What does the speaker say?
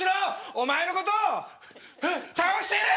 お前のことたおしてやる！